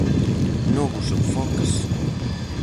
Novos enfoques?